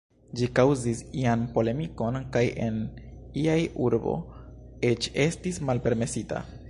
Ĝi kaŭzis ian polemikon kaj en iaj urbo eĉ estis malpermesita.